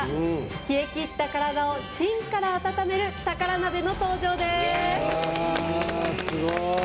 冷えきった体を芯から温める宝メシの登場です。